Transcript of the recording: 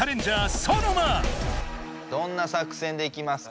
どんな作戦でいきますか？